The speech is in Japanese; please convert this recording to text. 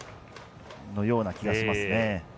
そのような気がしますね。